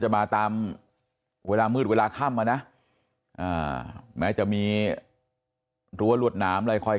จะมาตามเวลามืดเวลาข้ามมานะแม้จะมีตัวรวดน้ำอะไรคอย